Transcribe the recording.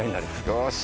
よし。